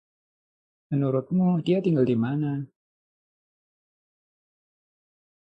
Menurutmu dia tinggal di mana?